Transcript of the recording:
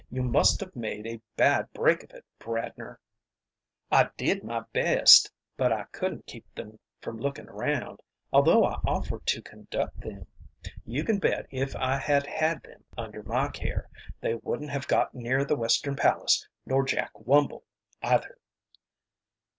"You must have made a bad break of it, Bradner." "I did my best, but I couldn't keep them from looking around, although I offered to conduct them. You can bet if I had had them under my care they wouldn't have got near the Western Palace, nor Jack Wumble either."